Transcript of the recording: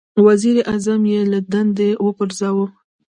• وزیر اعظم یې له دندې وپرځاوه.